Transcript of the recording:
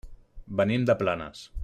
Venim de Planes.